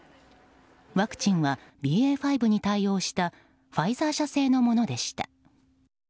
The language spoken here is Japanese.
ワクチンはＢＡ．５に対応したファイザー社製のものでした。